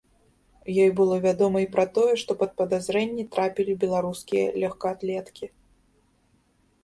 Ёй было вядома і пра тое, што пад падазрэнні трапілі беларускія лёгкаатлеткі.